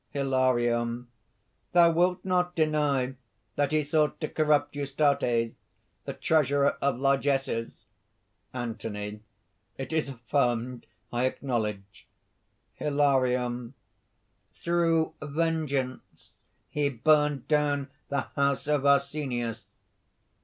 HILARION. "Thou wilt not deny that he sought to corrupt Eustates, the treasurer of largesses?" ANTHONY. "It is affirmed, I acknowledge." HILARION. "Through vengeance he burned down the house of Arsenius."